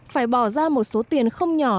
phải bỏ ra một số tiền không nhỏ